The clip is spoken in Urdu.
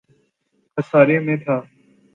خسارے میں تھا